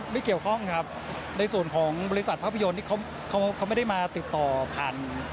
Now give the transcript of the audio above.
ไม่เกี่ยวข้องครับในส่วนของบริษัทภาพยนตร์นี่เขาไม่ได้มาติดต่อผ่าน